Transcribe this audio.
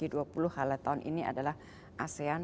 highlight tahun ini adalah asean